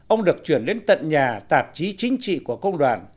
ông được chuyển đến tận nhà tạp chí chính trị của công đoàn